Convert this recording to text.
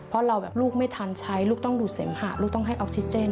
เพราะเราแบบลูกไม่ทันใช้ลูกต้องดูดเสมหะลูกต้องให้ออกซิเจน